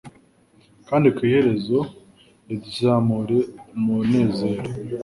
kandi ku iherezo ldzamubera umunezero.